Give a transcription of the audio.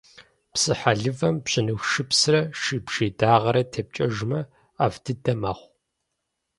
Псыхьэлывэм бжьыныху шыпсрэ шыбжий дагъэрэ тепкӏэжмэ, ӏэфӏ дыдэ мэхъу.